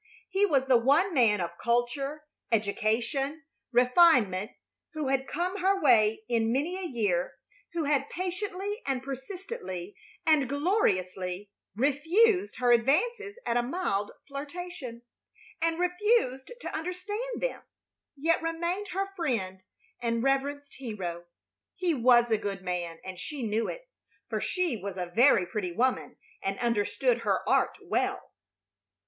He was the one man of culture, education, refinement, who had come her way in many a year who had patiently and persistently and gloriously refused her advances at a mild flirtation, and refused to understand them, yet remained her friend and reverenced hero. He was a good man, and she knew it, for she was a very pretty woman and understood her art well.